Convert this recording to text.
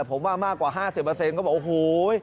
ผมว่ามากกว่า๕๐ก็บอกโอ้โห